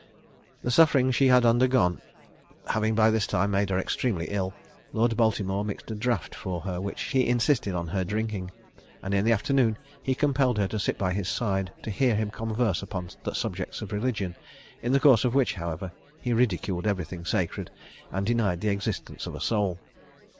The sufferings she had undergone having by this time made her extremely ill, Lord Baltimore mixed a draught for her, which he insisted on her drinking; and in the afternoon he compelled her to sit by his side to hear him converse upon subjects of religion, in the course of which, however, he ridiculed everything sacred, and denied the existence of a soul.